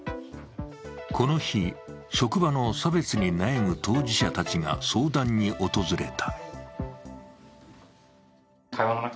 この日、職場の差別に悩む当事者たちが相談に訪れた。